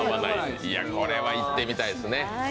これは行ってみたいですね。